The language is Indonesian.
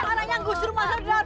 anaknya gusru masih datang